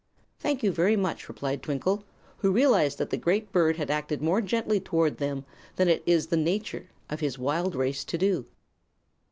"Thank you very much," replied Twinkle, who realized that the great bird had acted more gently toward them than it is the nature of his wild race to do.